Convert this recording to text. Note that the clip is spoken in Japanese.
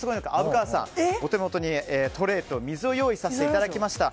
虻川さんお手元にトレーと水を用意させていただきました。